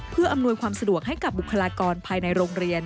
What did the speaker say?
เพื่ออำนวยความสะดวกให้กับบุคลากรภายในโรงเรียน